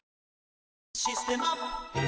「システマ」